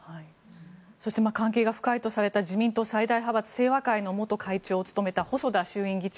そして関係が深いとされた自民党最大派閥、清和会の元会長を務めた細田議長